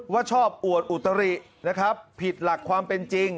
ว่าชอบอวดอุตรินะครับผิดหลักความเป็นจริง